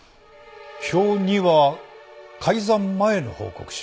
表２は改ざん前の報告書